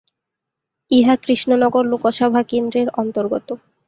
ইহা কৃষ্ণনগর লোকসভা কেন্দ্রের অন্তর্গত।